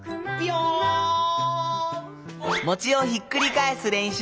餅をひっくり返す練習。